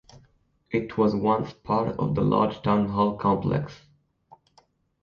It was once part of the large Town Hall Complex.